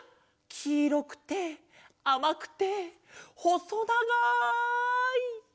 きいろくてあまくてほそながい。